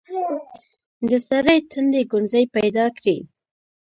د سړي تندي ګونځې پيدا کړې.